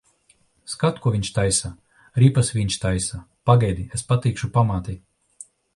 Skat, ko viņš taisa! Ripas viņš taisa. Pagaidi, es pateikšu pamātei.